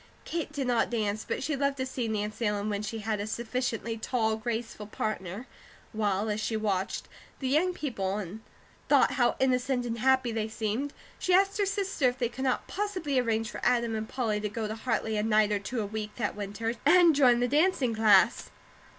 Kate did not dance, but she loved to see Nancy Ellen when she had a sufficiently tall, graceful partner; while, as she watched the young people and thought how innocent and happy they seemed, she asked her sister if they could not possibly arrange for Adam and Polly to go to Hartley a night or two a week that winter, and join the dancing class.